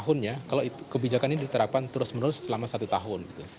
tahunnya kalau kebijakan ini diterapkan terus menerus selama satu tahun